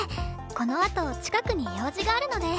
このあと近くに用事があるので。